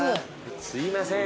すいません。